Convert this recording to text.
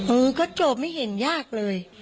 เออก็จบไม่เห็นยากเลย